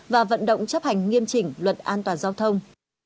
và vận động chấp hành nghiêm chỉnh luật an toàn giao thông